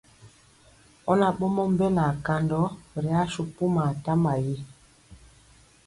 Ɔ na ɓɔmɔ mbelaa bikandɔ ri asu pumaa tama yi.